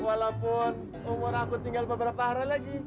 walaupun umur aku tinggal beberapa hari lagi